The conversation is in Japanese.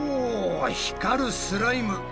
光るスライム。